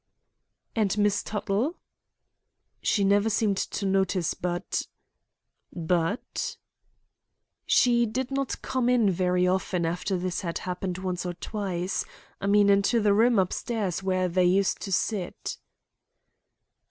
"And Miss Tuttle?" "She never seemed to notice but—" "But—?" "She did not come in very often after this had happened once or twice; I mean into the room upstairs where they used to sit."